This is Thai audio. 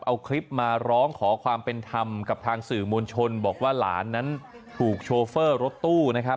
เอาคลิปมาร้องขอความเป็นธรรมกับทางสื่อมวลชนบอกว่าหลานนั้นถูกโชเฟอร์รถตู้นะครับ